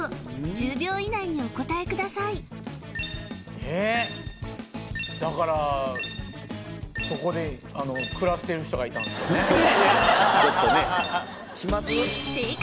１０秒以内にお答えくださいえだからそこで暮らしてる人がいたんですよね